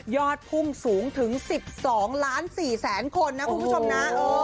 พุ่งสูงถึง๑๒ล้าน๔แสนคนนะคุณผู้ชมนะ